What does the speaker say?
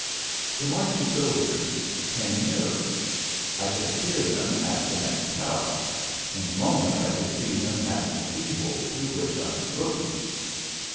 The marching soldiers came nearer. I could hear them at the next house. In a moment I would see them pass the keyhole through which I was looking.